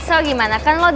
aku akan cari jalan keluar